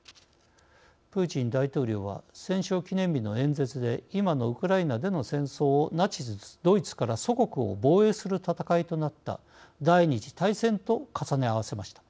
プーチン大統領は戦勝記念日の演説で今のウクライナでの戦争をナチスドイツから祖国を防衛する戦いとなった第２次大戦と重ね合わせました。